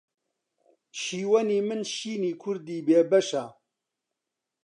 شیوەنی من شینی کوردی بێ بەشە